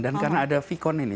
dan karena ada v kon ini